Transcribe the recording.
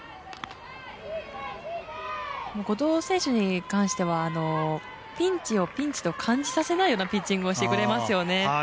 後藤選手に関してはピンチをピンチと感じさせないようなピッチングをしてくれますよね。